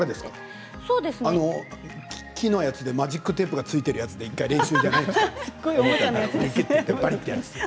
木のやつでマジックテープがついてるもので練習とかじゃないんですか？